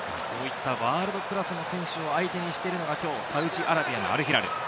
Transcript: そういったワールドクラスの選手を相手にしているのが今日、サウジアラビアのアルヒラル。